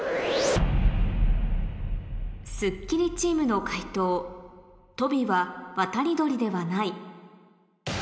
『スッキリ』チームの解答「トビは渡り鳥ではない」